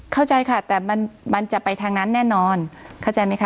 เข้าใจค่ะแต่มันมันจะไปทางนั้นแน่นอนเข้าใจไหมคะ